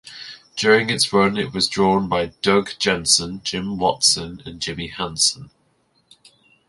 During its run it was drawn by Doug Jensen, Jim Watson and Jimmy Hansen.